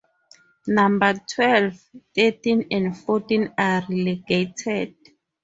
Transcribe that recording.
Number twelve, thirteen and fourteen are relegated.